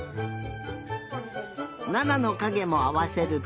奈々のかげもあわせると。